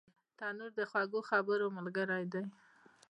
تنور د خوږو خبرو ملګری دی